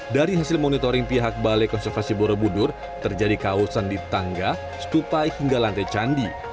dari hasil monitoring pihak balai konservasi borobudur terjadi kaosan di tangga stupai hingga lantai candi